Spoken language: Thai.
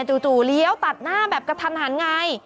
จู่เลี้ยวตัดหน้าแบบกระทันหันไง